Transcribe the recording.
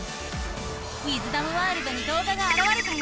「ウィズダムワールド」にどうががあらわれたよ！